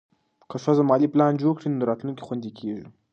که ښځه مالي پلان جوړ کړي، نو راتلونکی خوندي کېږي.